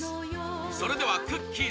それではくっきー！